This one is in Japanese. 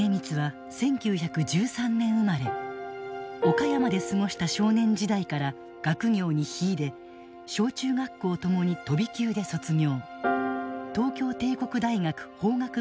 岡山で過ごした少年時代から学業に秀で小中学校ともに飛び級で卒業。